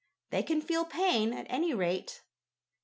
They can feel pain, at any rate.